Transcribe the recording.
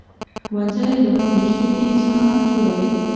ښوونځی له موږ ریښتیني انسانان جوړوي